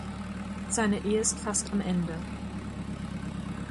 Seine Ehe ist fast am Ende.